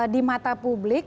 di mata publik